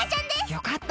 よかった！